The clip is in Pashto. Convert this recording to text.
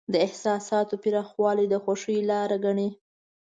د احساساتو پراخوالی د خوښۍ لاره ګڼي.